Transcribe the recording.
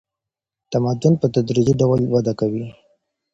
تمدن په تدریجي ډول وده کوي.